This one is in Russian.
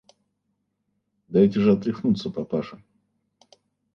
Дай же отряхнуться, папаша.